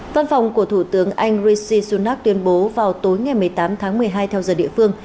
văn phòng của thủ tướng anh rishi sunak tuyên bố vào tối ngày một mươi tám tháng một mươi hai theo giờ địa phương